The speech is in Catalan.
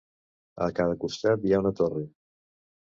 A cada costat hi ha una torre.